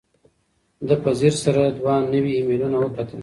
ده په ځیر سره دوه نوي ایمیلونه وکتل.